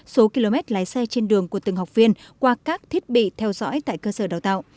số km lái xe trên đường của từng học viên qua các thiết bị theo dõi tại cơ sở đào tạo